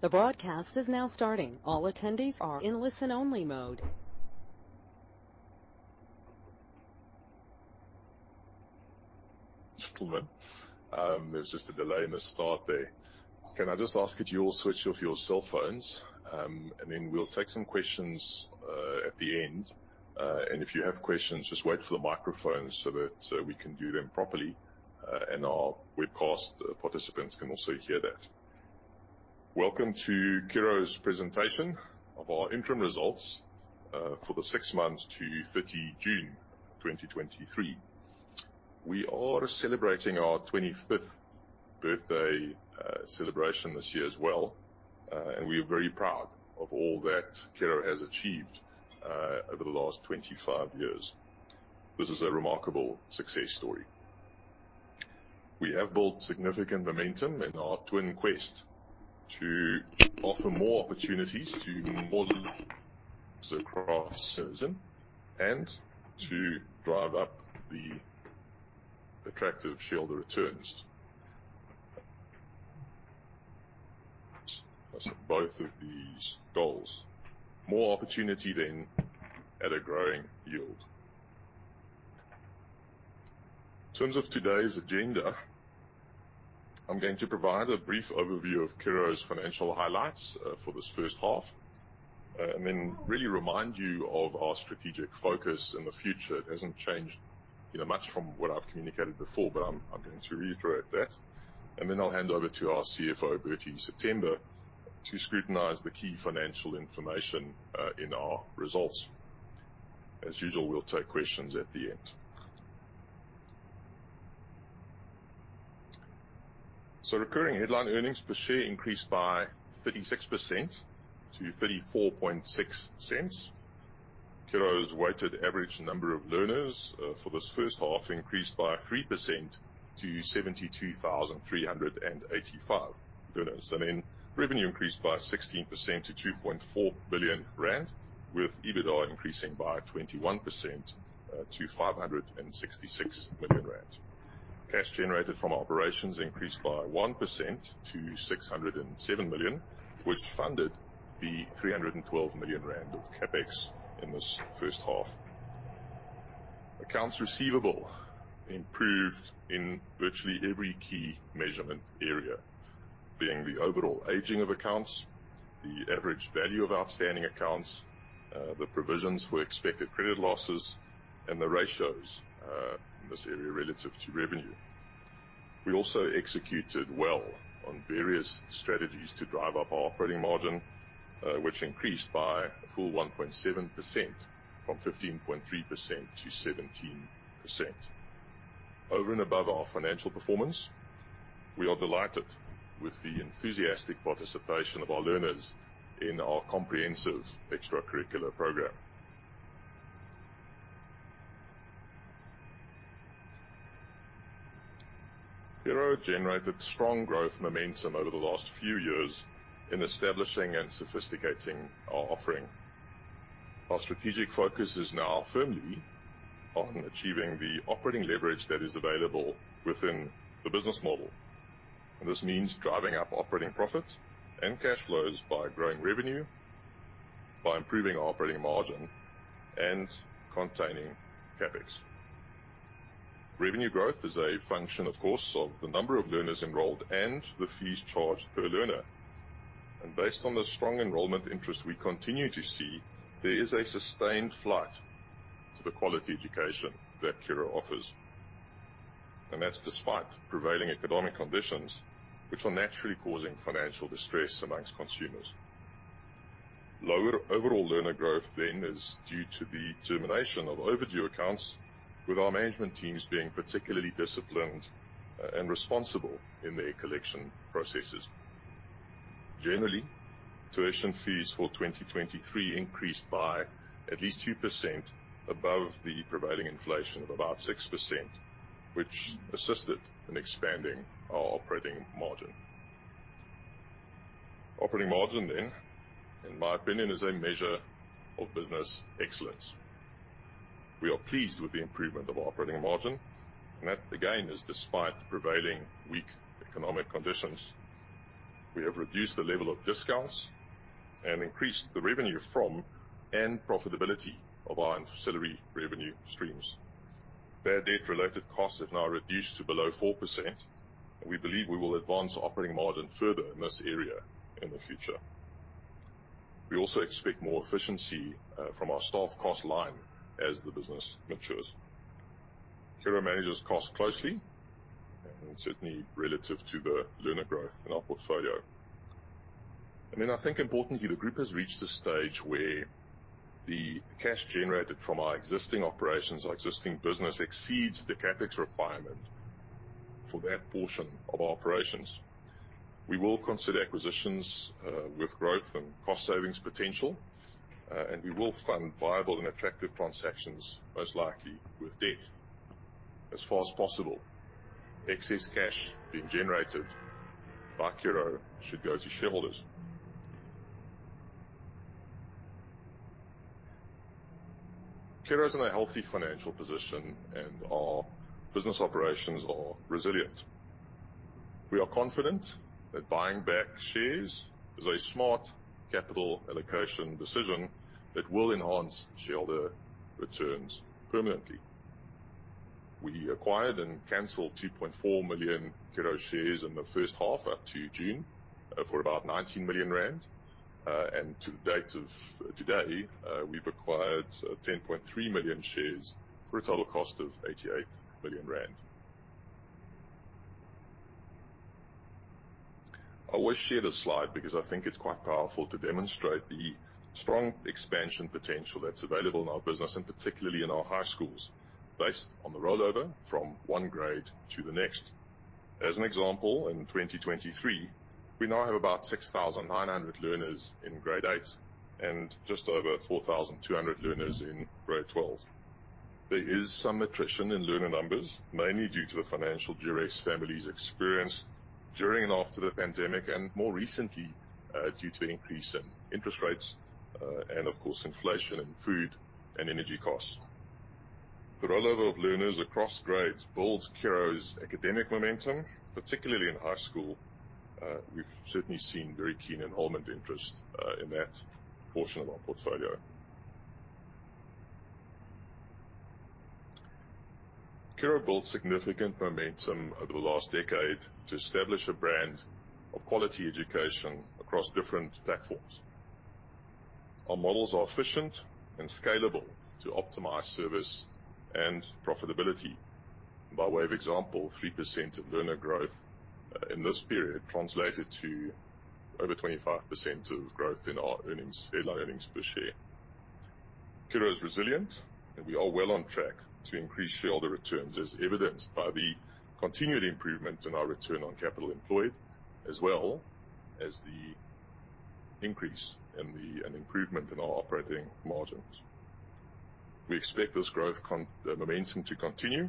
The broadcast is now starting. All attendees are in listen-only mode. There's just a delay in the start there. Can I just ask that you all switch off your cell phones? We'll take some questions at the end. If you have questions, just wait for the microphone so that we can do them properly, and our webcast participants can also hear that. Welcome to Curro's presentation of our interim results for the six months to 30th June 2023. We are celebrating our 25th birthday celebration this year as well. We are very proud of all that Curro has achieved over the last 25 years. This is a remarkable success story. We have built significant momentum in our twin quest to offer more opportunities to more across Curro, and to drive up the attractive shareholder returns. Both of these goals. More opportunity then at a growing yield. In terms of today's agenda, I'm going to provide a brief overview of Curro's financial highlights for this first half, and then really remind you of our strategic focus in the future. It hasn't changed, you know, much from what I've communicated before, but I'm going to reiterate that. Then I'll hand over to our CFO, Burtie September, to scrutinize the key financial information in our results. As usual, we'll take questions at the end. Recurring headline earnings per share increased by 36% to 0.346. Curro's weighted average number of learners for this first half increased by 3% to 72,385 learners, and then revenue increased by 16% to 2.4 billion rand, with EBITDA increasing by 21% to 566 million rand. Cash generated from operations increased by 1% to 607 million, which funded the 312 million rand of CapEx in this first half. Accounts receivable improved in virtually every key measurement area, being the overall aging of accounts, the average value of outstanding accounts, the provisions for expected credit losses and the ratios in this area relative to revenue. We also executed well on various strategies to drive up our operating margin, which increased by a full 1.7% from 15.3% to 17%. Over and above our financial performance, we are delighted with the enthusiastic participation of our learners in our comprehensive extracurricular program. Curro generated strong growth momentum over the last few years in establishing and sophisticating our offering. Our strategic focus is now firmly on achieving the operating leverage that is available within the business model. This means driving up operating profits and cash flows by growing revenue, by improving operating margin, and containing CapEx. Revenue growth is a function, of course, of the number of learners enrolled and the fees charged per learner. Based on the strong enrollment interest we continue to see, there is a sustained flight to the quality education that Curro offers, and that's despite prevailing economic conditions, which are naturally causing financial distress amongst consumers. Lower overall learner growth is due to the termination of overdue accounts, with our management teams being particularly disciplined and responsible in their collection processes. Generally, tuition fees for 2023 increased by at least 2% above the prevailing inflation of about 6%, which assisted in expanding our operating margin. Operating margin, in my opinion, is a measure of business excellence. We are pleased with the improvement of operating margin, and that, again, is despite the prevailing weak economic conditions. We have reduced the level of discounts and increased the revenue from and profitability of our ancillary revenue streams. Bad debt-related costs have now reduced to below 4%, and we believe we will advance operating margin further in this area in the future. We also expect more efficiency from our staff cost line as the business matures. Curro manages cost closely, and certainly relative to the learner growth in our portfolio. Then I think importantly, the group has reached a stage where the cash generated from our existing operations, our existing business, exceeds the CapEx requirement for that portion of our operations. We will consider acquisitions, with growth and cost savings potential, and we will fund viable and attractive transactions, most likely with debt. As far as possible, excess cash being generated by Curro should go to shareholders. Curro is in a healthy financial position, and our business operations are resilient. We are confident that buying back shares is a smart capital allocation decision that will enhance shareholder returns permanently. We acquired and canceled 2.4 million Curro shares in the first half up to June, for about 19 million rand. To the date of today, we've acquired 10.3 million shares for a total cost of 88 million rand. I always share this slide because I think it's quite powerful to demonstrate the strong expansion potential that's available in our business, and particularly in our high schools, based on the rollover from one grade to the next. As an example, in 2023, we now have about 6,900 learners in grade eight and just over 4,200 learners in grade twelve. There is some attrition in learner numbers, mainly due to the financial duress families experienced during and after the pandemic, and more recently, due to the increase in interest rates, and of course, inflation in food and energy costs. The rollover of learners across grades builds Curro's academic momentum, particularly in high school. We've certainly seen very keen enrollment interest in that portion of our portfolio. Curro built significant momentum over the last decade to establish a brand of quality education across different platforms. Our models are efficient and scalable to optimize service and profitability. By way of example, 3% learner growth in this period translated to over 25% of growth in our earnings, headline earnings per share. Curro is resilient, and we are well on track to increase shareholder returns, as evidenced by the continued improvement in our return on capital employed, as well as the increase in the... and improvement in our operating margins. We expect this growth momentum to continue,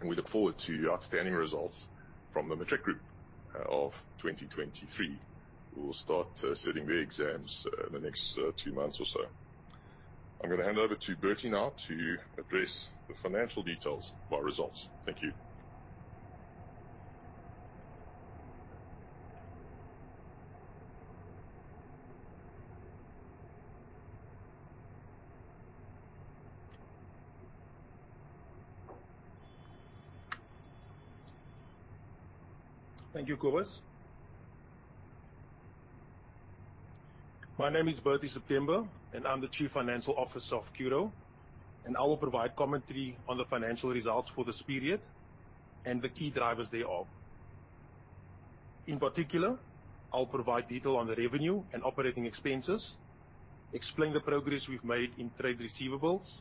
and we look forward to outstanding results from the matric group of 2023, who will start sitting their exams in the next 2 months or so. I'm gonna hand over to Burtie now to address the financial details of our results. Thank you. Thank you, Cobus. My name is Burtie September, and I'm the chief financial officer of Curro, and I will provide commentary on the financial results for this period and the key drivers thereof. In particular, I'll provide detail on the revenue and operating expenses, explain the progress we've made in trade receivables,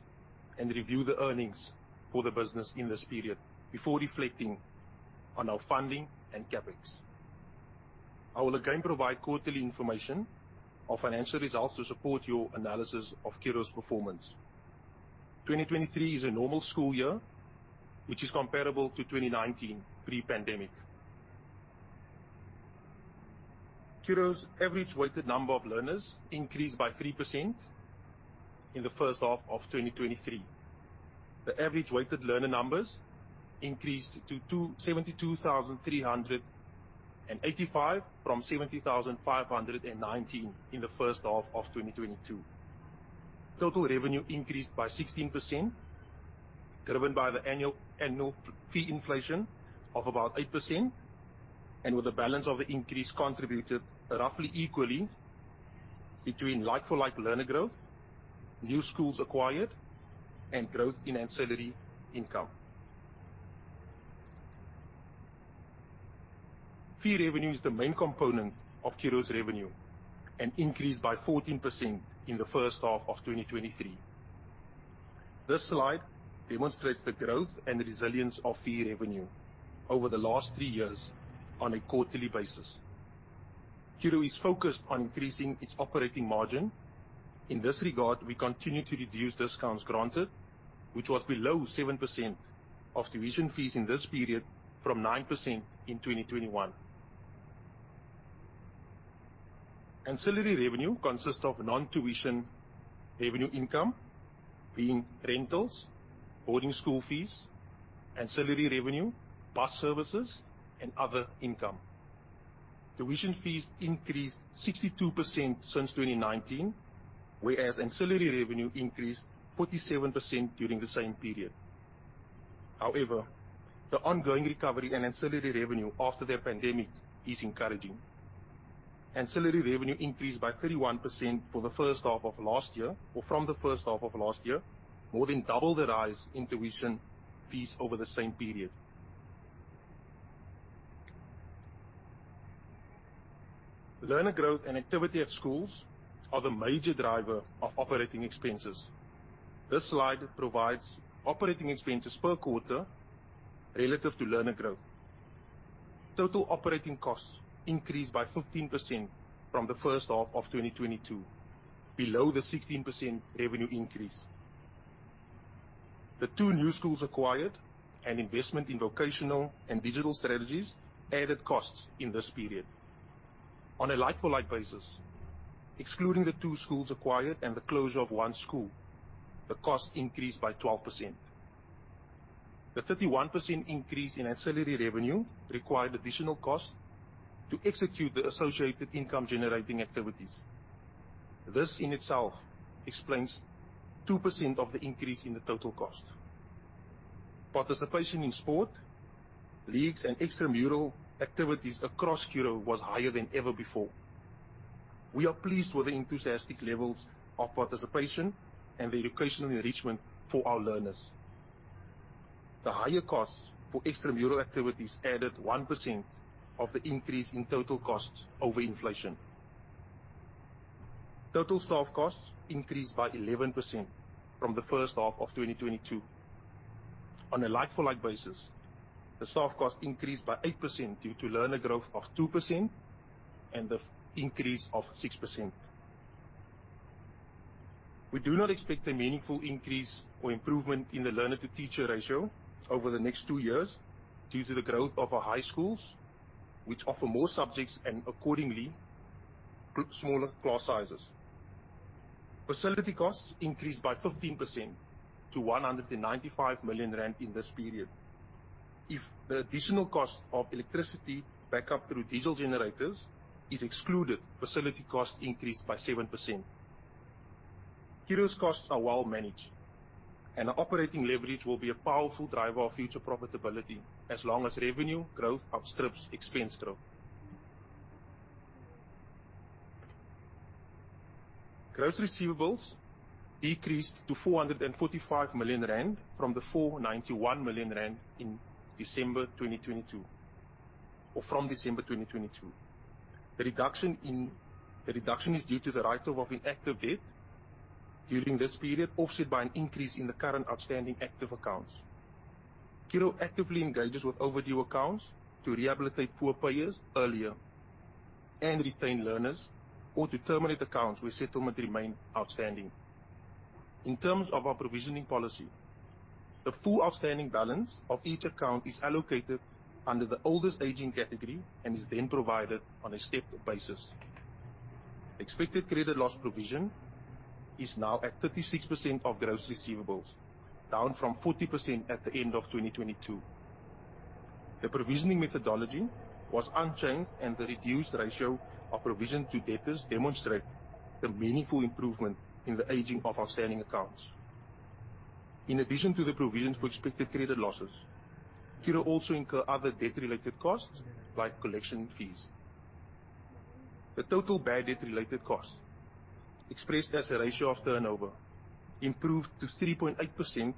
and review the earnings for the business in this period before reflecting on our funding and CapEx. I will again provide quarterly information of financial results to support your analysis of Curro's performance. 2023 is a normal school year, which is comparable to 2019, pre-pandemic. Curro's average weighted number of learners increased by 3% in the first half of 2023. The average weighted learner numbers increased to 272,385 from 70,519 in the first half of 2022. Total revenue increased by 16%, driven by the annual, annual fee inflation of about 8%, and with the balance of the increase contributed roughly equally between like-for-like learner growth, new schools acquired, and growth in ancillary income. Fee revenue is the main component of Curro's revenue and increased by 14% in the first half of 2023. This slide demonstrates the growth and resilience of fee revenue over the last three years on a quarterly basis. Curro is focused on increasing its operating margin. In this regard, we continue to reduce discounts granted, which was below 7% of tuition fees in this period, from 9% in 2021. Ancillary revenue consists of non-tuition revenue income, being rentals, boarding school fees, ancillary revenue, bus services, and other income. Tuition fees increased 62% since 2019, whereas ancillary revenue increased 47% during the same period. However, the ongoing recovery and ancillary revenue after the pandemic is encouraging. Ancillary revenue increased by 31% for the first half of last year, or from the first half of last year, more than double the rise in tuition fees over the same period. Learner growth and activity at schools are the major driver of operating expenses. This slide provides operating expenses per quarter relative to learner growth. Total operating costs increased by 15% from the first half of 2022, below the 16% revenue increase. The two new schools acquired and investment in vocational and digital strategies added costs in this period. On a like-for-like basis, excluding the 2 schools acquired and the closure of 1one school, the cost increased by 12%. The 31% increase in ancillary revenue required additional costs to execute the associated income-generating activities. This, in itself, explains 2% of the increase in the total cost. Participation in sport, leagues, and extramural activities across Curro was higher than ever before. We are pleased with the enthusiastic levels of participation and the educational enrichment for our learners. The higher costs for extramural activities added 1% of the increase in total costs over inflation. Total staff costs increased by 11% from the first half of 2022. On a like-for-like basis, the staff cost increased by 8% due to learner growth of 2% and the increase of 6%. We do not expect a meaningful increase or improvement in the learner-to-teacher ratio over the next two years due to the growth of our high schools, which offer more subjects and accordingly, group smaller class sizes. Facility costs increased by 15% to 195 million rand in this period. If the additional cost of electricity backup through diesel generators is excluded, facility costs increased by 7%. Curro's costs are well managed, our operating leverage will be a powerful driver of future profitability as long as revenue growth outstrips expense growth. Gross receivables decreased to 445 million rand from the 491 million rand in December 2022. The reduction is due to the write-off of inactive debt during this period, offset by an increase in the current outstanding active accounts. Curro actively engages with overdue accounts to rehabilitate poor payers earlier and retain learners, or to terminate accounts where settlement remain outstanding. In terms of our provisioning policy, the full outstanding balance of each account is allocated under the oldest aging category and is then provided on a stepped basis. Expected credit loss provision is now at 36% of gross receivables, down from 40% at the end of 2022. The provisioning methodology was unchanged, the reduced ratio of provision to debtors demonstrate the meaningful improvement in the aging of outstanding accounts. In addition to the provisions for expected credit losses, Curro also incur other debt-related costs, like collection fees. The total bad debt-related costs, expressed as a ratio of turnover, improved to 3.8%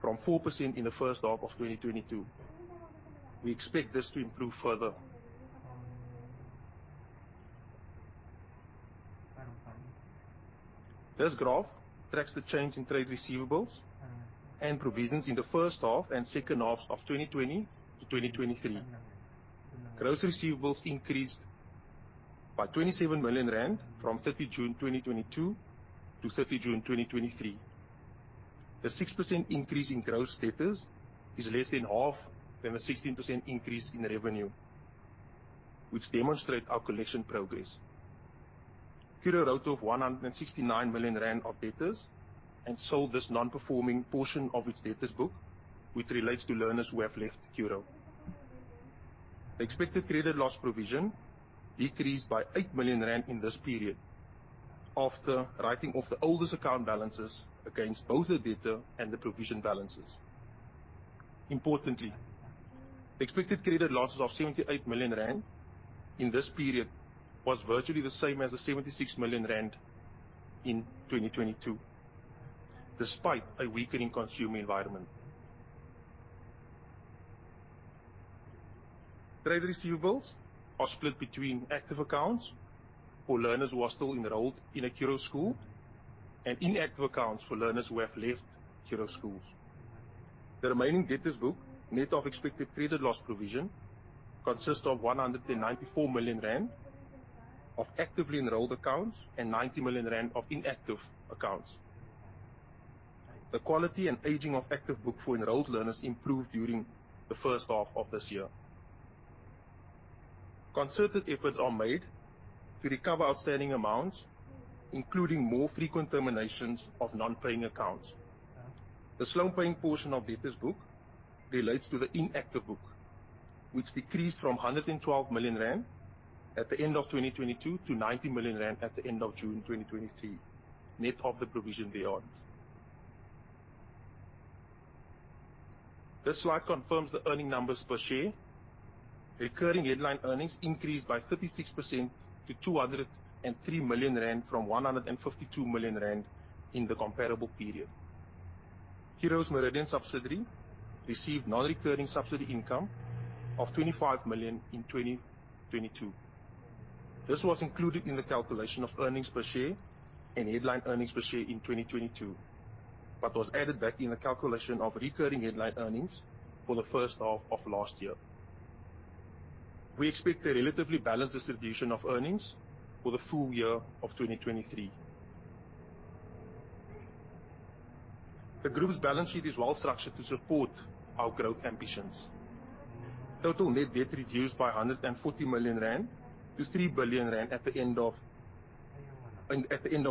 from 4% in the first half of 2022. We expect this to improve further. This graph tracks the change in trade receivables and provisions in the first half and second half of 2020 to 2023. Gross receivables increased by 27 million rand from 30th June 2022 to 30 June 2023. The 6% increase in gross debtors is less than half than the 16% increase in revenue, which demonstrate our collection progress. Curro wrote off 169 million rand of debtors and sold this non-performing portion of its debtors book, which relates to learners who have left Curro. Expected credit loss provision decreased by 8 million rand in this period after writing off the oldest account balances against both the debtor and the provision balances. Importantly, expected credit losses of 78 million rand in this period was virtually the same as the 76 million rand in 2022, despite a weakening consumer environment. Trade receivables are split between active accounts for learners who are still enrolled in a Curro school and inactive accounts for learners who have left Curro schools. The remaining debtors book, net of expected credit loss provision, consists of 194 million rand of actively enrolled accounts and 90 million rand of inactive accounts. The quality and aging of active book for enrolled learners improved during the first half of this year. Concerted efforts are made to recover outstanding amounts, including more frequent terminations of non-paying accounts. The slow-paying portion of debtors book relates to the inactive book, which decreased from 112 million rand at the end of 2022 to 90 million rand at the end of June 2023, net of the provision thereon. This slide confirms the earnings per share. Recurring headline earnings increased by 36% to 203 million rand, from 152 million rand in the comparable period. Curro's Meridian subsidiary received non-recurring subsidy income of 25 million in 2022. This was included in the calculation of earnings per share and headline earnings per share in 2022, but was added back in the calculation of recurring headline earnings for the first half of last year. We expect a relatively balanced distribution of earnings for the full year of 2023. The group's balance sheet is well structured to support our growth ambitions. Total net debt reduced by 140 million rand to 3 billion rand at the end of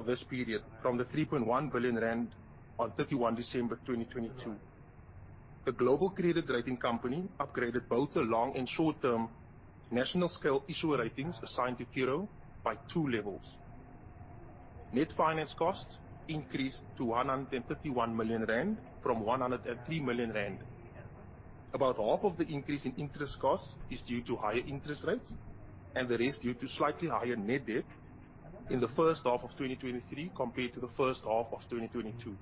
this period, from 3.1 billion rand on 31st December 2022. The global credit rating company upgraded both the long and short-term national scale issuer ratings assigned to Curro by two levels. Net finance costs increased to 151 million rand from 103 million rand. About half of the increase in interest costs is due to higher interest rates. The rest due to slightly higher Net Debt in the first half of 2023 compared to the first half of 2022.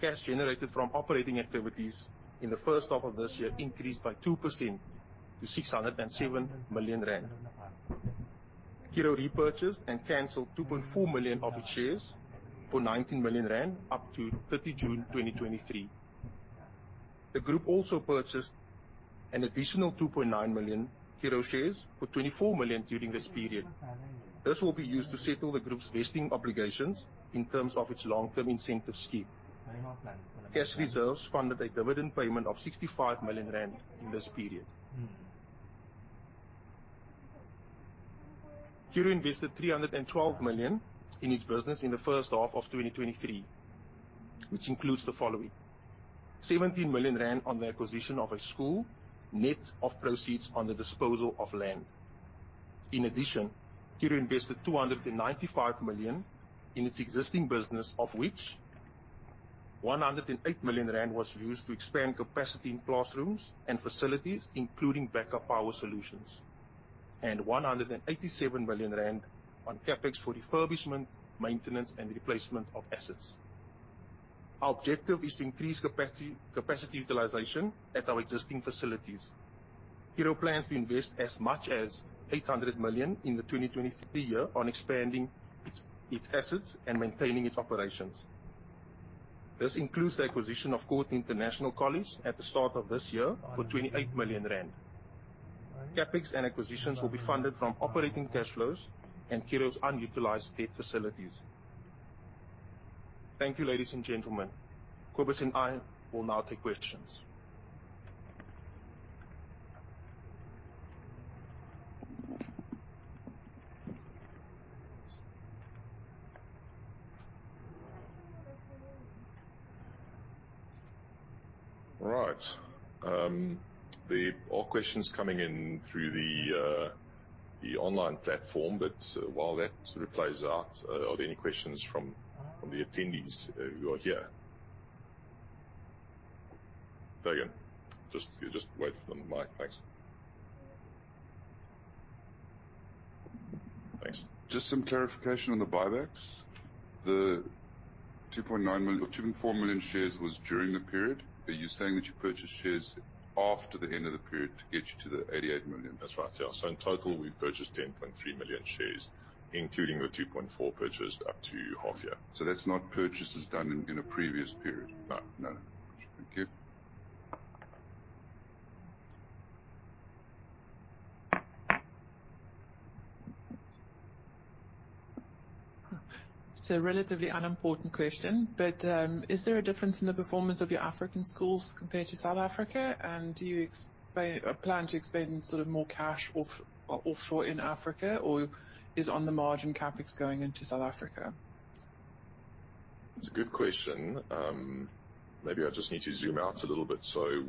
Cash generated from operating activities in the first half of this year increased by 2% to 607 million rand. Curro repurchased and canceled 2.4 million of its shares for 19 million rand up to 30th June, 2023. The group also purchased an additional 2.9 million Curro shares for 24 million during this period. This will be used to settle the group's vesting obligations in terms of its long-term incentive scheme. Cash reserves funded a dividend payment of 65 million rand in this period. Curro invested 312 million in its business in the first half of 2023, which includes the following: 17 million rand on the acquisition of a school, net of proceeds on the disposal of land. In addition, Curro invested ZAR 295 million in its existing business, of which ZAR 108 million was used to expand capacity in classrooms and facilities, including backup power solutions, and 187 million rand on CapEx for refurbishment, maintenance, and replacement of assets. Our objective is to increase capacity, capacity utilization at our existing facilities. Curro plans to invest as much as 800 million in the 2023 year on expanding its assets and maintaining its operations. This includes the acquisition of Court International College at the start of this year for 28 million rand. CapEx and acquisitions will be funded from operating cash flows and Curro's unutilized debt facilities. Thank you, ladies and gentlemen. Kobus and I will now take questions. Right. All questions coming in through the online platform, but while that sort of plays out, are there any questions from the attendees who are here? Go again. Just wait for the mic. Thanks. Thanks. Just some clarification on the buybacks. The 2.9 million or 2.4 million shares was during the period. Are you saying that you purchased shares after the end of the period to get you to the 88 million? That's right. Yeah. In total, we've purchased 10.3 million shares, including the 2.4 purchased up to half year. That's not purchases done in, in a previous period? No. Thank you. It's a relatively unimportant question, but, is there a difference in the performance of your African schools compared to South Africa? Do you plan to spend sort of more cash offshore in Africa, or is on the margin CapEx going into South Africa? It's a good question. Maybe I just need to zoom out a little bit.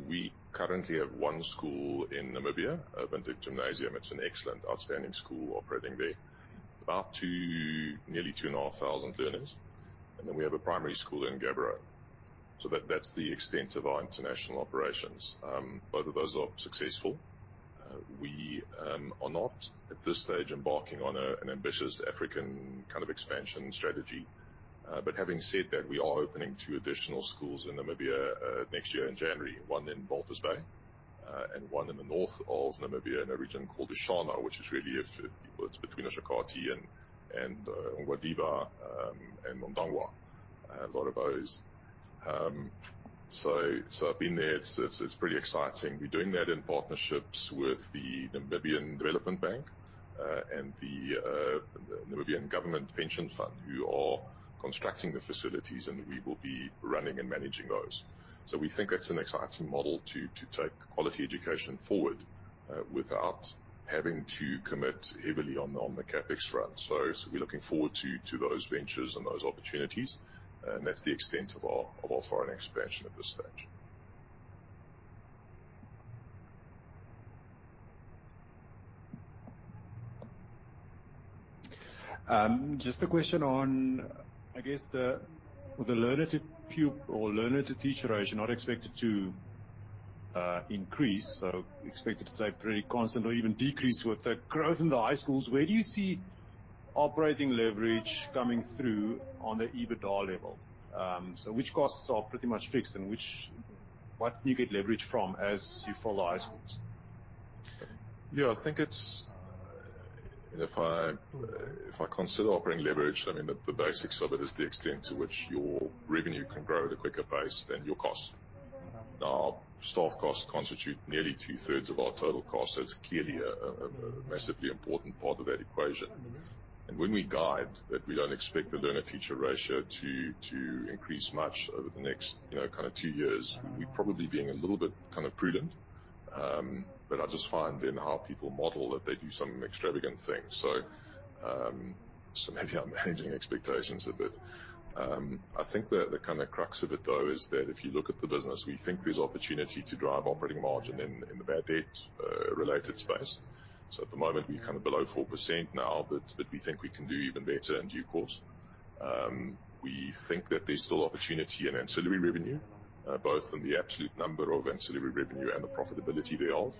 We currently have one school in Namibia, Windhoek Gymnasium. It's an excellent, outstanding school operating there. About two, nearly 2,500 learners, and then we have a primary school in Gaborone. That, that's the extent of our international operations. Both of those are successful. We are not, at this stage, embarking on an ambitious African kind of expansion strategy. Having said that, we are opening two additional schools in Namibia next year in January, one in Walvis Bay, and one in the north of Namibia, in a region called Oshana, which is really, it's between Oshakati and Ondangwa. A lot of those. I've been there. It's pretty exciting. We're doing that in partnerships with the Namibian Development Bank, and the Government Institutions Pension Fund, who are constructing the facilities, and we will be running and managing those. We think that's an exciting model to, take quality education forward, without having to commit heavily on the CapEx front. We're looking forward to, to those ventures and those opportunities, and that's the extent of our, foreign expansion at this stage. Just a question on, I guess, the, the learner to pup- or learner to teacher ratio not expected to increase, so expected to stay pretty constant or even decrease with the growth in the high schools. Where do you see operating leverage coming through on the EBITDA level? Which costs are pretty much fixed and which... What do you get leverage from as you follow the high schools? Yeah, I think it's-... if I consider operating leverage, I mean, the, the basics of it is the extent to which your revenue can grow at a quicker pace than your cost. Now, our staff costs constitute nearly two-thirds of our total cost. That's clearly a, a, a massively important part of that equation. When we guide that we don't expect the learner-teacher ratio to, to increase much over the next, you know, kinda two years, we're probably being a little bit kind of prudent. But I just find in how people model that they do some extravagant things. Maybe I'm managing expectations a bit. I think the, the kinda crux of it, though, is that if you look at the business, we think there's opportunity to drive operating margin in, in the bad debt, related space. At the moment, we're kind of below 4% now, but, but we think we can do even better in due course. We think that there's still opportunity in ancillary revenue, both in the absolute number of ancillary revenue and the profitability thereof.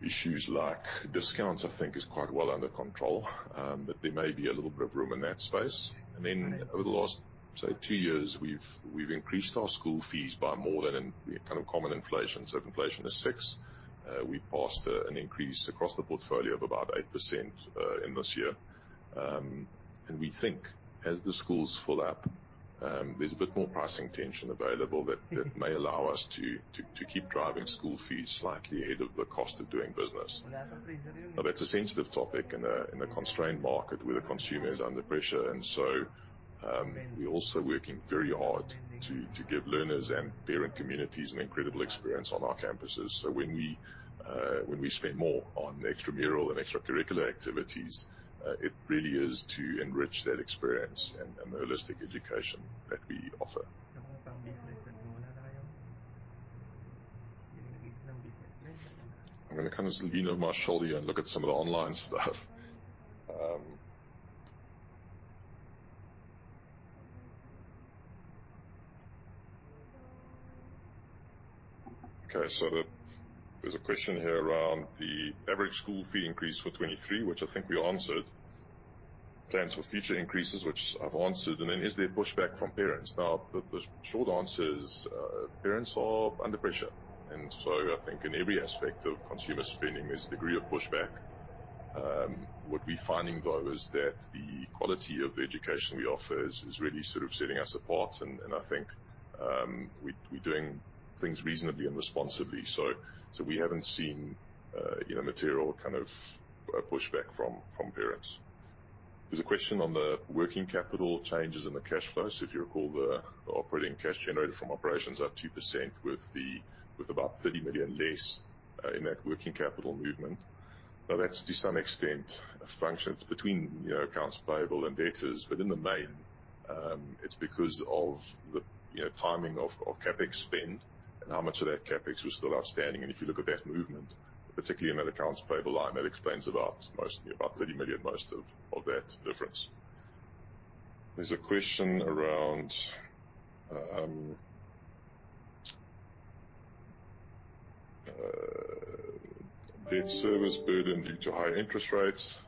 Issues like discounts, I think, is quite well under control, but there may be a little bit of room in that space. Over the last, say, two years, we've, we've increased our school fees by more than in, kind of, common inflation. If inflation is 6%, we passed an increase across the portfolio of about 8% in this year. We think as the schools fill up, there's a bit more pricing tension available that, that may allow us to keep driving school fees slightly ahead of the cost of doing business. That's a sensitive topic in a, in a constrained market where the consumer is under pressure, we're also working very hard to, to give learners and parent communities an incredible experience on our campuses. When we, when we spend more on extramural and extracurricular activities, it really is to enrich that experience and, and the holistic education that we offer. I'm gonna kind of lean over my shoulder here and look at some of the online stuff. There's a question here around the average school fee increase for 23, which I think we answered. Plans for future increases, which I've answered. Is there pushback from parents? The short answer is, parents are under pressure, I think in every aspect of consumer spending, there's a degree of pushback. What we're finding, though, is that the quality of the education we offer is, is really sort of setting us apart, I think, we're doing things reasonably and responsibly. We haven't seen, you know, material kind of, pushback from parents. There's a question on the working capital changes in the cash flows. If you recall, the operating cash generated from operations are 2%, with about 30 million less in that working capital movement. That's to some extent, a function between, you know, accounts payable and debtors. In the main, it's because of the, you know, timing of CapEx spend and how much of that CapEx was still outstanding. If you look at that movement, particularly in that accounts payable line, that explains about mostly, about 30 million, most of that difference. There's a question around debt service burden due to high interest rates.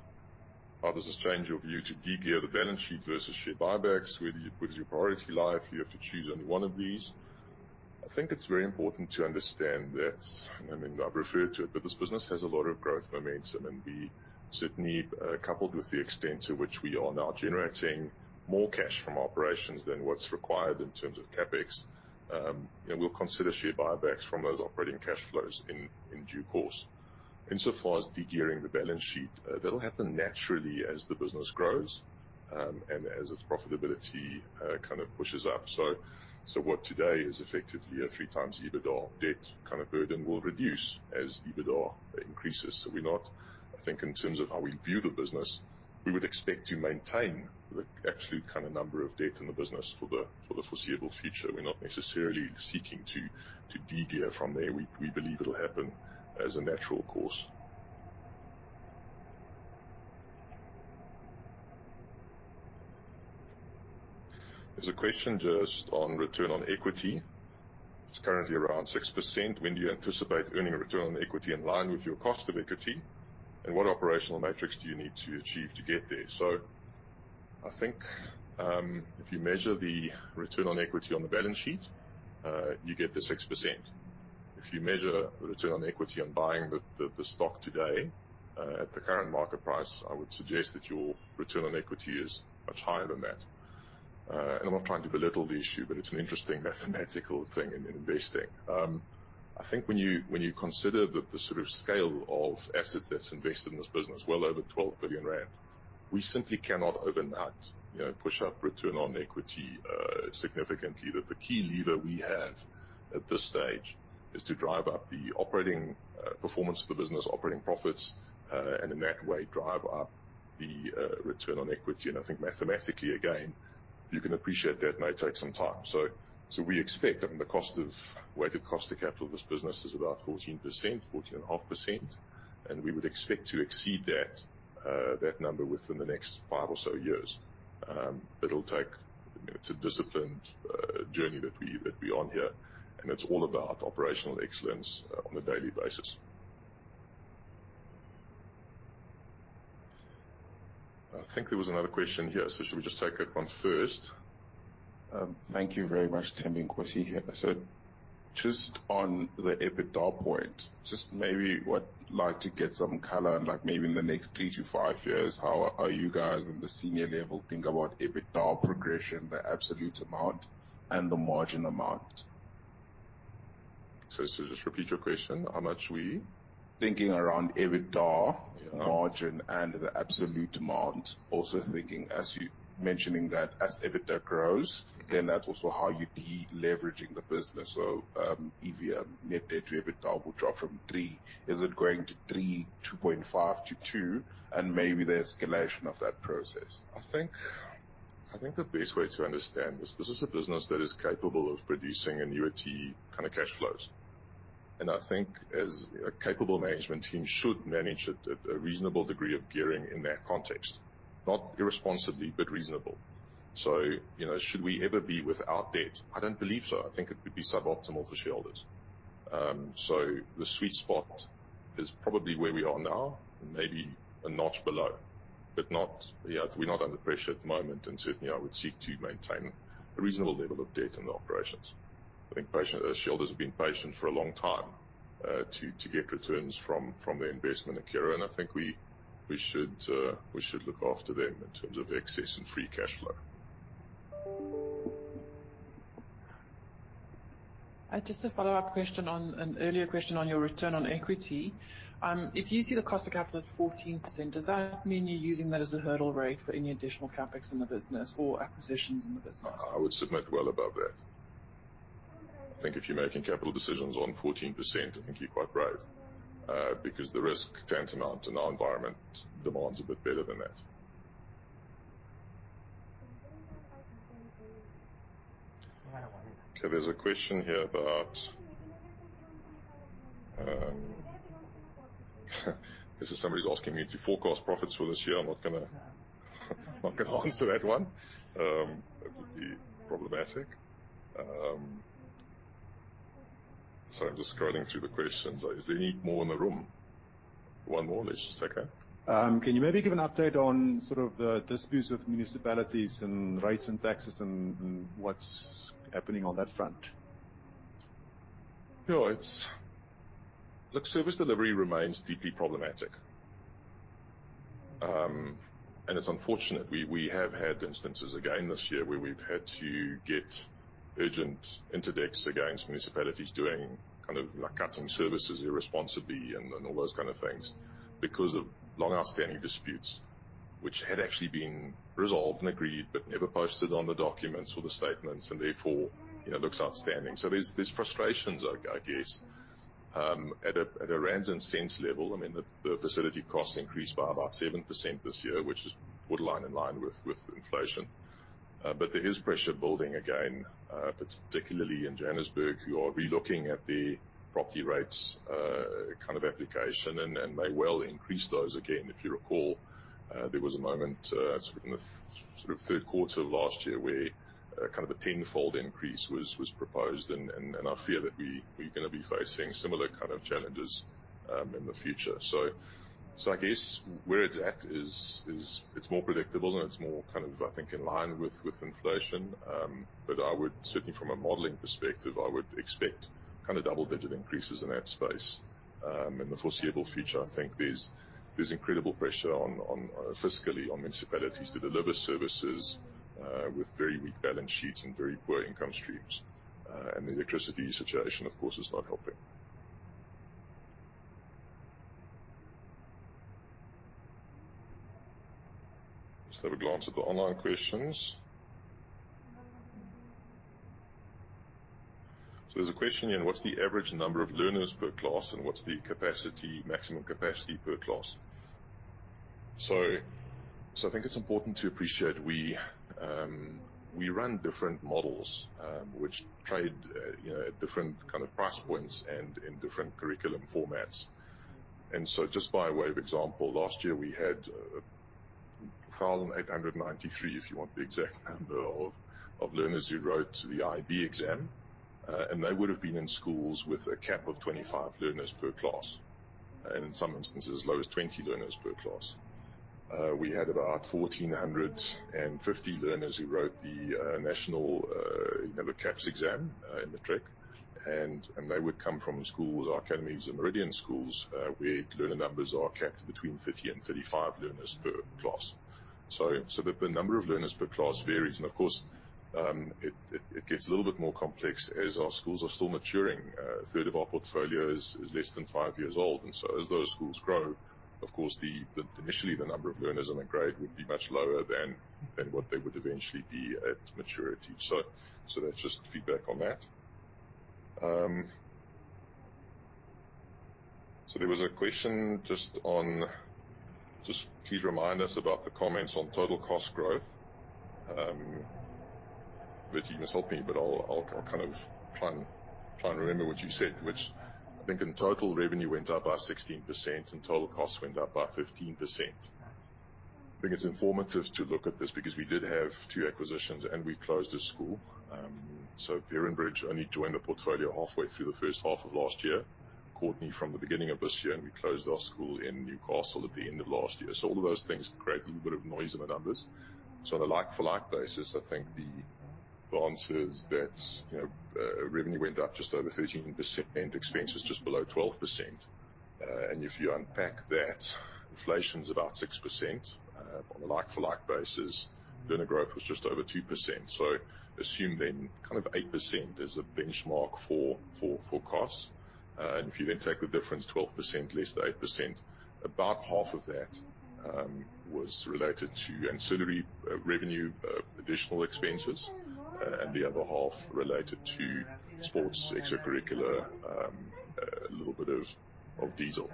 How does this change your view to de-gear the balance sheet versus share buybacks? Where does your priority lie if you have to choose only one of these? I think it's very important to understand that, I mean, I've referred to it, but this business has a lot of growth momentum, and we certainly, coupled with the extent to which we are now generating more cash from operations than what's required in terms of CapEx, and we'll consider share buybacks from those operating cash flows in, in due course. Insofar as degearing the balance sheet, that'll happen naturally as the business grows, and as its profitability, kind of pushes up. What today is effectively a 3x EBITDA debt kind of burden will reduce as EBITDA increases. We're not- I think in terms of how we view the business, we would expect to maintain the absolute kind of number of debt in the business for the, for the foreseeable future. We're not necessarily seeking to, to de-gear from there. We, we believe it'll happen as a natural course. There's a question just on return on equity. It's currently around 6%. When do you anticipate earning a return on equity in line with your cost of equity? What operational metrics do you need to achieve to get there? I think, if you measure the return on equity on the balance sheet, you get the 6%. If you measure return on equity on buying the, the, the stock today, at the current market price, I would suggest that your return on equity is much higher than that. I'm not trying to belittle the issue, but it's an interesting mathematical thing in, in investing. I think when you, when you consider the, the sort of scale of assets that's invested in this business, well over 12 billion rand, we simply cannot overnight, you know, push up return on equity significantly. That the key lever we have at this stage is to drive up the operating performance of the business, operating profits, and in that way, drive up the return on equity. And I think mathematically, again, you can appreciate that may take some time. We expect, I mean, the weighted cost of capital of this business is about 14%, 14.5%, and we would expect to exceed that number within the next five or so years. It'll take... You know, it's a disciplined journey that we're on here. It's all about operational excellence on a daily basis. I think there was another question here. Should we just take that one first? Thank you very much, Thembinkosi here. Just on the EBITDA point, just maybe what, like to get some color, like maybe in the next three-five years, how are you guys in the senior level think about EBITDA progression, the absolute amount, and the margin amount? Just repeat your question. How much we? Thinking around EBITDA. Yeah. -margin and the absolute amount. Also thinking, as you mentioning that as EBITDA grows, then that's also how you'd be leveraging the business. If your Net Debt to EBITDA will drop from three, is it going to three, 2.5 to two, and maybe the escalation of that process? I think, the best way to understand this, this is a business that is capable of producing an UET kind of cash flows. I think as a capable management team should manage it at a reasonable degree of gearing in that context. Not irresponsibly, but reasonable. You know, should we ever be without debt? I don't believe so. I think it would be suboptimal for shareholders. The sweet spot is probably where we are now and maybe a notch below, but not... Yeah, we're not under pressure at the moment, and certainly, I would seek to maintain a reasonable level of debt in the operations. I think patient, shareholders have been patient for a long time, to, to get returns from, from their investment at Curro, and I think we, we should, we should look after them in terms of excess and free cash flow. Just a follow-up question on an earlier question on your return on equity. If you see the cost of capital at 14%, does that mean you're using that as a hurdle rate for any additional CapEx in the business or acquisitions in the business? I would submit well above that. I think if you're making capital decisions on 14%, I think you're quite brave, because the risk tantamount in our environment demands a bit better than that. Okay, there's a question here about, this is somebody's asking me to forecast profits for this year. I'm not gonna answer that one. That would be problematic. I'm just scrolling through the questions. Is there any more in the room? One more, let's just take that. Can you maybe give an update on sort of the disputes with municipalities and rates and taxes and, and what's happening on that front? Sure, it's... Look, service delivery remains deeply problematic. It's unfortunate. We, we have had instances again this year where we've had to get urgent interdicts against municipalities doing kind of like cutting services irresponsibly and, and all those kind of things, because of long-outstanding disputes, which had actually been resolved and agreed, but never posted on the documents or the statements, and therefore, you know, looks outstanding. There's, there's frustrations, I, I guess, at rand and sense level, I mean, the, the facility costs increased by about 7% this year, which is, would lie in line with, with inflation. There is pressure building again, particularly in Johannesburg, who are relooking at the property rates, kind of application, and, and may well increase those again. If you recall, there was a moment, sort of in the 3rd quarter of last year, where, kind of a 10-fold increase was, was proposed, and I fear that we, we're gonna be facing similar kind of challenges in the future. I guess where it's at is, is it's more predictable and it's more kind of, I think, in line with, with inflation. I would certainly from a modeling perspective, I would expect kind of double-digit increases in that space. In the foreseeable future, I think there's, there's incredible pressure on, fiscally on municipalities to deliver services with very weak balance sheets and very poor income streams. The electricity situation, of course, is not helping. Let's have a glance at the online questions. There's a question here: What's the average number of learners per class, and what's the capacity, maximum capacity per class? I think it's important to appreciate we run different models, which trade, you know, at different kind of price points and in different curriculum formats. Just by way of example, last year we had 1,893, if you want the exact number of learners who wrote the IEB exam, and they would have been in schools with a cap of 25 learners per class, and in some instances, as low as 20 learners per class. We had about 1,450 learners who wrote the national, you know, the CAPS exam in matric, and they would come from schools, academies, and Meridian Schools, where learner numbers are capped between 30 and 35 learners per class. The, the number of learners per class varies, and of course, it, it, it gets a little bit more complex as our schools are still maturing. A third of our portfolio is, is less than five years old, and as those schools grow, of course, the, the initially the number of learners in a grade would be much lower than, than what they would eventually be at maturity. That's just feedback on that. There was a question just on... Just please remind us about the comments on total cost growth. Vicki, you must help me, but I'll, I'll kind of try and, try and remember what you said, which I think in total revenue went up by 16% and total costs went up by 15%. I think it's informative to look at this because we did have two acquisitions and we closed a school. HeronBridge College only joined the portfolio halfway through the first half of last year. Courtney from the beginning of this year, and we closed our school in Newcastle at the end of last year. All of those things create a little bit of noise in the numbers. On a like-for-like basis, I think the answer is that, you know, revenue went up just over 13%, and expenses just below 12%. And if you unpack that, inflation is about 6%. On a like-for-like basis, learner growth was just over 2%. Assume then kind of 8% is a benchmark for, for, for costs. If you then take the difference, 12% less the 8%, about half of that was related to ancillary revenue, additional expenses, and the other half related to sports, extracurricular, a little bit of, of diesel.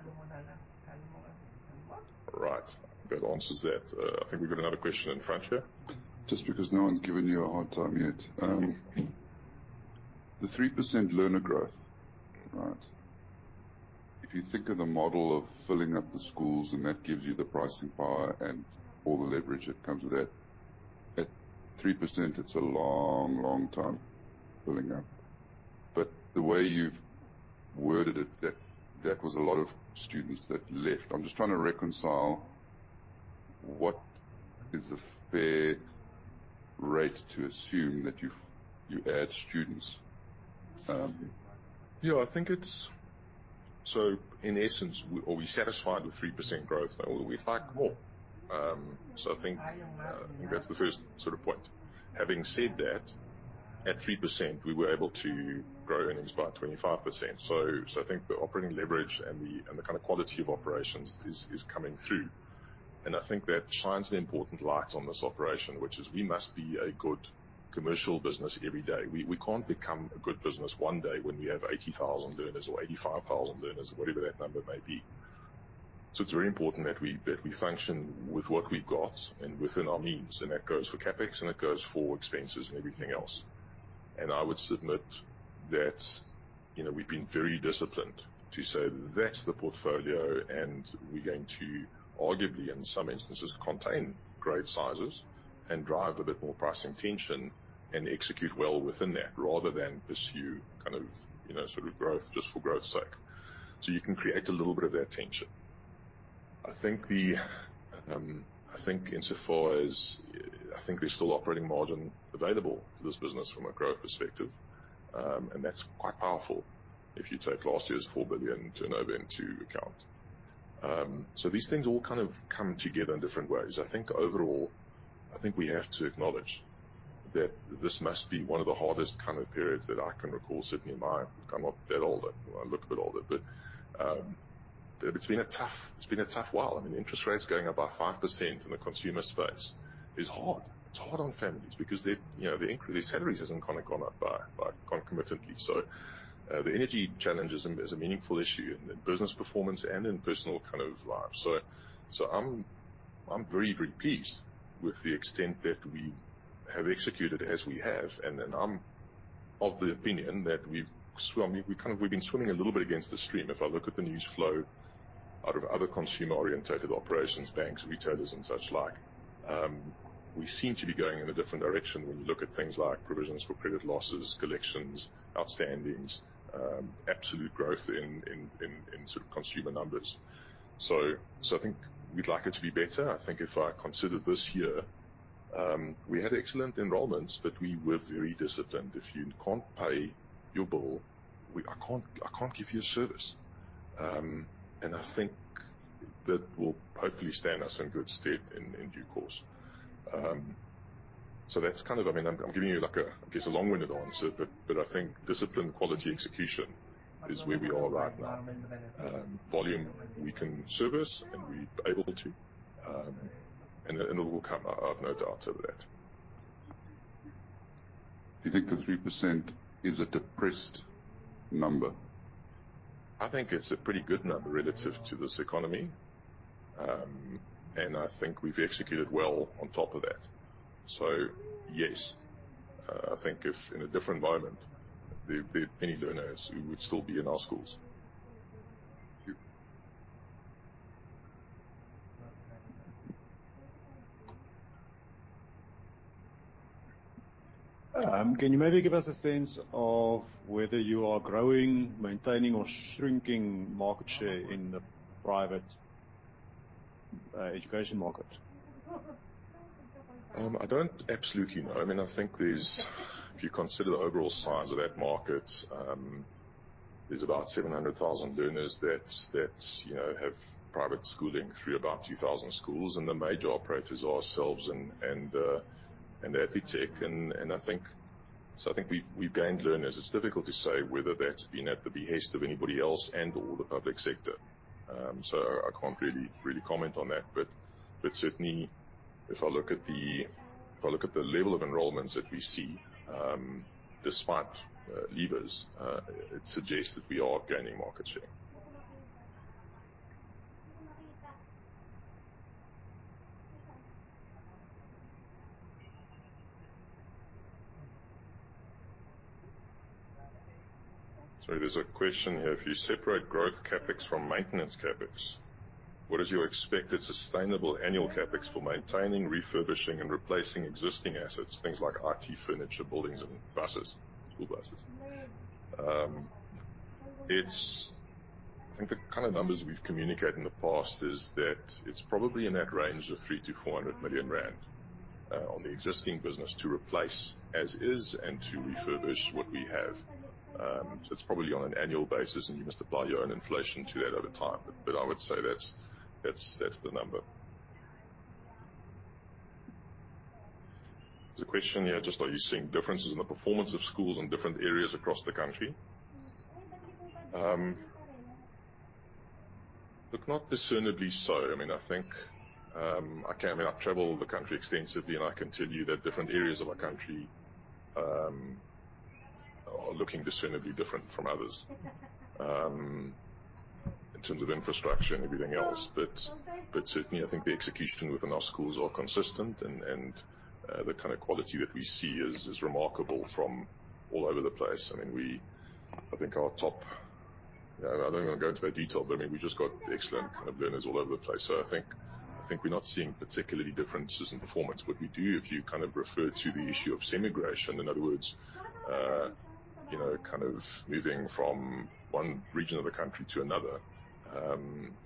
Right. That answers that. I think we've got another question in Francia. Just because no one's given you a hard time yet. The 3% learner growth, right? If you think of the model of filling up the schools, and that gives you the pricing power and all the leverage that comes with that, at 3%, it's a long, long time filling up. The way you've worded it, that, that was a lot of students that left. I'm just trying to reconcile what is the fair rate to assume that you've, you add students? Yeah, I think it's... In essence, are we satisfied with 3% growth? We'd like more. I think, I think that's the first sort of point. Having said that, at 3%, we were able to grow earnings by 25%. I think the operating leverage and the, and the kind of quality of operations is, is coming through. I think that shines an important light on this operation, which is we must be a good commercial business every day. We, we can't become a good business one day when we have 80,000 learners or 85,000 learners or whatever that number may be. It's very important that we, that we function with what we've got and within our means, and that goes for CapEx, and it goes for expenses and everything else. I would submit that, you know, we've been very disciplined to say that's the portfolio, and we're going to, arguably in some instances, contain grade sizes and drive a bit more pricing tension and execute well within that, rather than pursue kind of, you know, sort of growth just for growth's sake. You can create a little bit of that tension. I think the, I think insofar as, I think there's still operating margin available to this business from a growth perspective, and that's quite powerful. If you take last year's 4 billion turnover into account. These things all kind of come together in different ways. I think overall, I think we have to acknowledge that this must be one of the hardest kind of periods that I can recall, certainly in my... I'm not that older. I look a bit older, but, it's been a tough, it's been a tough while. I mean, interest rates going up by 5% in the consumer space is hard. It's hard on families because they, you know, the increase, their salaries hasn't kind of gone up by, by concomitantly. The energy challenge is a, is a meaningful issue in business performance and in personal kind of lives. So I'm, I'm very, very pleased with the extent that we have executed as we have. Then I'm of the opinion that we've we kind of, we've been swimming a little bit against the stream. If I look at the news flow out of other consumer-orientated operations, banks, retailers, and such like, we seem to be going in a different direction when we look at things like provisions for credit losses, collections, outstandings, absolute growth in sort of consumer numbers. I think we'd like it to be better. I think if I consider this year, we had excellent enrollments, but we were very disciplined. If you can't pay your bill, I can't, I can't give you a service. I think that will hopefully stand us in good stead in due course. That's kind of... I mean, I'm giving you like a, I guess, a long-winded answer, but I think discipline, quality, execution is where we are right now. Volume we can service, we are able to, and it will come, I have no doubt over that. Do you think the 3% is a depressed number? I think it's a pretty good number relative to this economy. I think we've executed well on top of that. Yes, I think if in a different environment, there'd, there'd be many learners who would still be in our schools. Thank you. Can you maybe give us a sense of whether you are growing, maintaining, or shrinking market share in the private education market? I don't absolutely know. I mean, I think there's, if you consider the overall size of that market, there's about 700,000 learners that's, that's, you know, have private schooling through about 2,000 schools, and the major operators are ourselves and, and, and ADvTECH, and, and I think. I think we've, we've gained learners. It's difficult to say whether that's been at the behest of anybody else and/or the public sector. I can't really, really comment on that. Certainly, if I look at the, if I look at the level of enrollments that we see, despite, leavers, it suggests that we are gaining market share. There's a question here: If you separate growth CapEx from maintenance CapEx?...What is your expected sustainable annual CapEx for maintaining, refurbishing, and replacing existing assets, things like IT, furniture, buildings, and buses, school buses? I think the kind of numbers we've communicated in the past is that it's probably in that range of 300 million-400 million rand on the existing business to replace as is and to refurbish what we have. So it's probably on an annual basis, and you must apply your own inflation to that over time. I would say that's, that's, that's the number. There's a question here, just, are you seeing differences in the performance of schools in different areas across the country? Look, not discernibly so. I mean, I think, I can... I mean, I've traveled the country extensively, and I can tell you that different areas of our country are looking discernibly different from others in terms of infrastructure and everything else. But certainly, I think the execution within our schools are consistent, and the kind of quality that we see is remarkable from all over the place. I mean, I think our top... I don't want to go into that detail, but I mean, we just got excellent kind of learners all over the place, so I think, I think we're not seeing particularly differences in performance. What we do, if you kind of refer to the issue of semigration, in other words, you know, kind of moving from one region of the country to another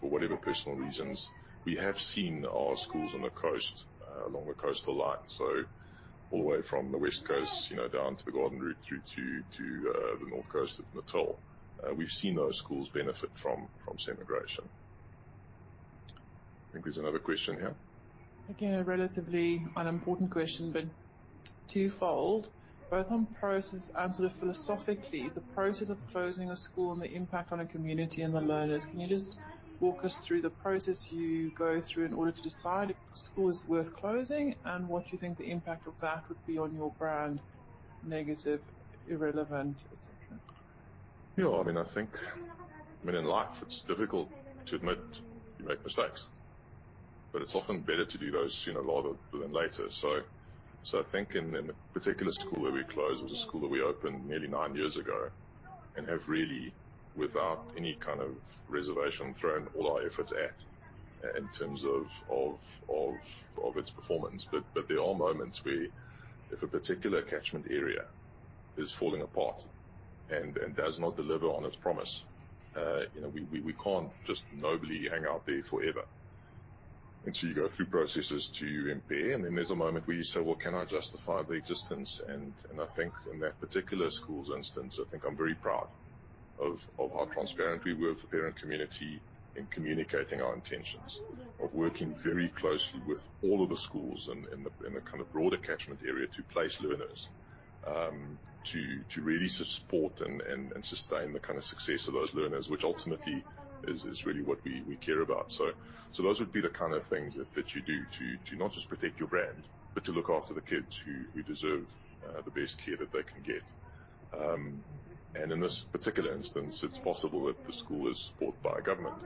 for whatever personal reasons. We have seen our schools on the coast, along the coastal line, so all the way from the West Coast, you know, down to the Garden Route through to, to, the north coast of Natal. We've seen those schools benefit from, from semigration. I think there's another question here. Again, a relatively unimportant question, but twofold. Both on process and sort of philosophically, the process of closing a school and the impact on a community and the learners. Can you just walk us through the process you go through in order to decide if a school is worth closing, and what you think the impact of that would be on your brand, negative, irrelevant, et cetera? Yeah, I mean, I think, I mean, in life, it's difficult to admit you make mistakes, but it's often better to do those, you know, earlier than later. I think in, in the particular school that we closed, it was a school that we opened nearly nine years ago and have really, without any kind of reservation, thrown all our efforts at in terms of, of, of, of its performance. There are moments where if a particular catchment area is falling apart and, and does not deliver on its promise, you know, we, we can't just nobly hang out there forever. So you go through processes to impair, and then there's a moment where you say, "Well, can I justify the existence?" I think in that particular school's instance, I think I'm very proud of, of how transparent we were with the parent community in communicating our intentions. Of working very closely with all of the schools in, in the, in the kind of broader catchment area to place learners, to, to really support and, and, and sustain the kind of success of those learners, which ultimately is, is really what we, we care about. Those would be the kind of things that, that you do to, to not just protect your brand, but to look after the kids who, who deserve the best care that they can get. In this particular instance, it's possible that the school is supported by government,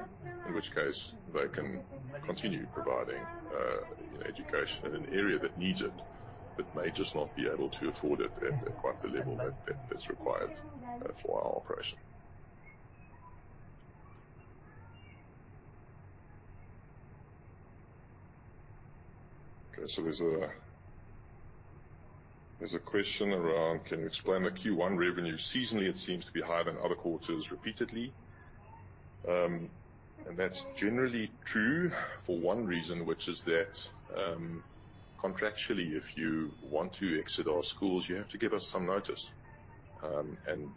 in which case they can continue providing education in an area that needs it, but may just not be able to afford it at, at quite the level that, that, that's required for our operation. Okay, there's a, there's a question around: Can you explain the Q1 revenue? Seasonally, it seems to be higher than other quarters repeatedly. That's generally true for one reason, which is that contractually, if you want to exit our schools, you have to give us some notice.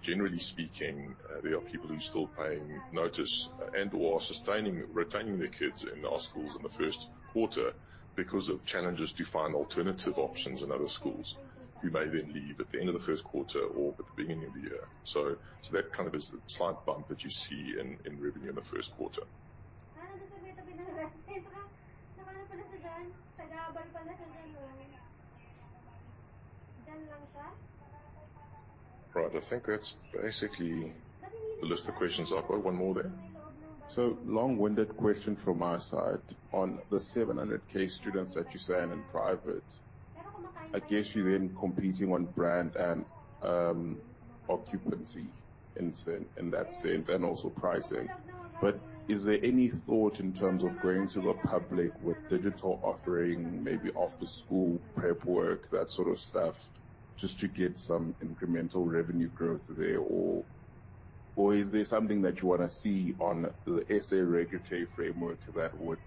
Generally speaking, there are people who are still paying notice and/or sustaining, retaining their kids in our schools in the first quarter because of challenges to find alternative options in other schools, who may then leave at the end of the first quarter or at the beginning of the year. That kind of is the slight bump that you see in, in revenue in the first quarter. Right. I think that's basically the list of questions I've got. One more there. Long-winded question from my side. On the 700K students that you say are in private, I guess you're then competing on brand and occupancy in that sense, and also pricing. Is there any thought in terms of going to the public with digital offering, maybe after-school prep work, that sort of stuff, just to get some incremental revenue growth there? Is there something that you wanna see on the SA regulatory framework that would...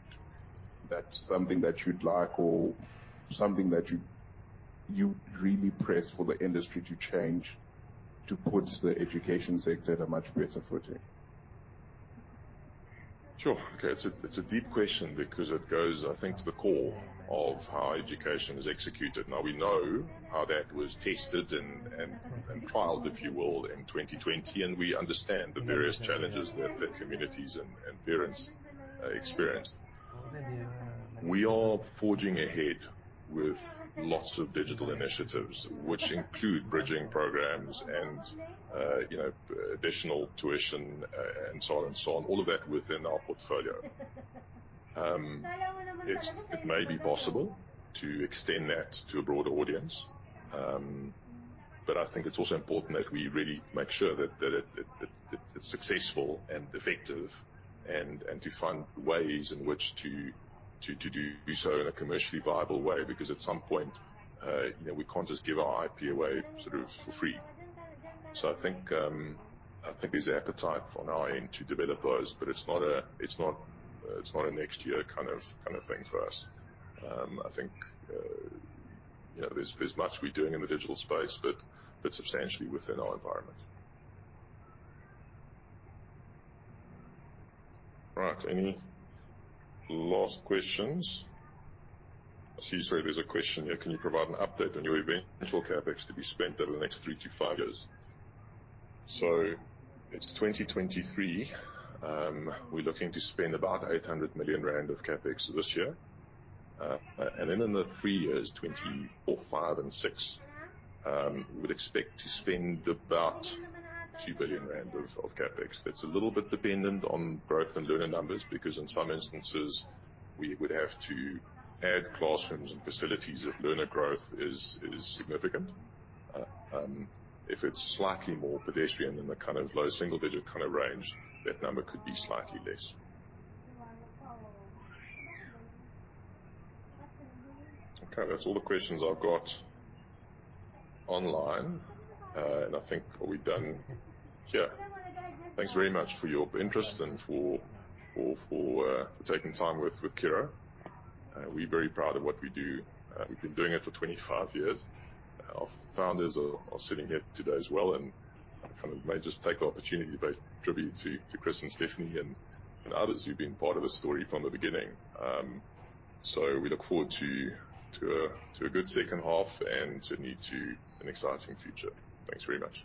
That's something that you'd like or something that you, you'd really press for the industry to change to put the education sector at a much better footing? Sure. Okay. It's a, it's a deep question because it goes, I think, to the core of how education is executed. Now, we know how that was tested and, and, and trialed, if you will, in 2020, and we understand the various challenges that the communities and, and parents experienced. We are forging ahead with lots of digital initiatives, which include bridging programs and, you know, additional tuition, and so on and so on, all of that within our portfolio. It, it may be possible to extend that to a broader audience. I think it's also important that we really make sure that, that it, it, it's successful and effective, and, and to find ways in which to, to, to do so in a commercially viable way, because at some point, you know, we can't just give our IP away sort of for free. I think, I think there's appetite on our end to develop those, but it's not a, it's not, it's not a next year kind of, kind of thing for us. I think, you know, there's, there's much we're doing in the digital space, but, but substantially within our environment. Right. Any last questions? I see. Sorry, there's a question here: Can you provide an update on your eventual CapEx to be spent over the next three to five years? It's 2023. We're looking to spend about 800 million rand of CapEx this year. Then in the three years, 2024, 2025, and 2026, we'd expect to spend about 2 billion rand of, of CapEx. That's a little bit dependent on growth and learner numbers, because in some instances, we would have to add classrooms and facilities if learner growth is, is significant. If it's slightly more pedestrian than the kind of low single digit kind of range, that number could be slightly less. Okay, that's all the questions I've got online. I think are we done here? Thanks very much for your interest and for, for, for, taking time with, with Curro. We're very proud of what we do. We've been doing it for 25 years. Our founders are, are sitting here today as well, and I kind of may just take the opportunity to pay tribute to, to Chris and Stephnie and, and others who've been part of the story from the beginning. We look forward to, to a, to a good second half and to me, to an exciting future. Thanks very much.